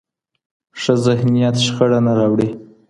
ښه ذهنیت شخړه نه راوړي.